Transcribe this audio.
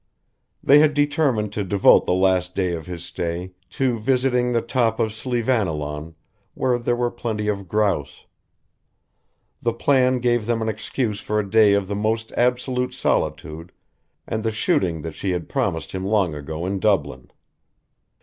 They had determined to devote the last day of his stay to visiting the top of Slieveannilaun, where there were plenty of grouse. The plan gave them an excuse for a day of the most absolute solitude and the shooting that she had promised him long ago in Dublin.